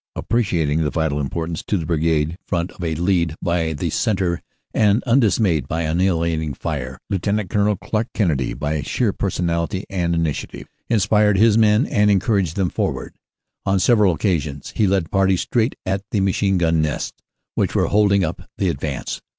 Appreciating the vital importance to the Brigade front of a lead by the centre and undismayed by annihilating fire, Lt. Col. Clark Kennedy, by sheer personality and initiative, inspired his men and en OPERATIONS: AUG. 26 27 131 couraged them forward. On several occasions he led parties straight at the machine gun nests, which were holding up the advance.